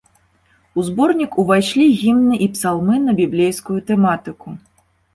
У зборнік увайшлі гімны і псалмы на біблейскую тэматыку.